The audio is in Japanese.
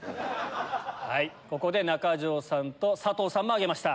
ここで中条さんと佐藤さんも挙げました。